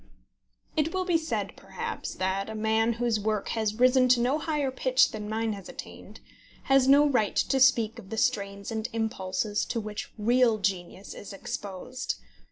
It will be said, perhaps, that a man whose work has risen to no higher pitch than mine has attained, has no right to speak of the strains and impulses to which real genius is exposed.